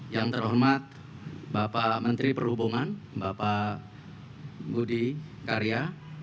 yang terhormat bapak menteri perhubungan bapak budi karya